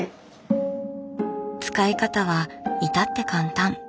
使い方は至って簡単。